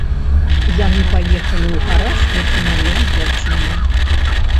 Яны паехалі ў гараж, які належыць дзяўчыне.